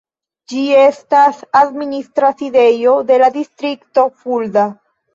Ĝi estas administra sidejo de la distrikto Fulda.